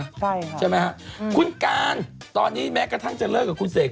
ใช่ครับใช่ไหมฮะอืมคุณการตอนนี้แม้กระทั่งจะเลิก